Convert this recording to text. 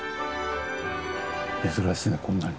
珍しいねこんなに。